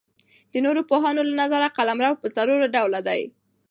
د نورو پوهانو له نظره قلمرو پر څلور ډوله دئ.